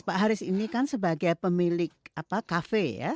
pak haris ini kan sebagai pemilik kafe ya